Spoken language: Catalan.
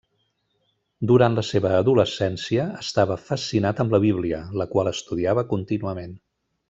Durant la seva adolescència, estava fascinat amb la Bíblia, la qual estudiava contínuament.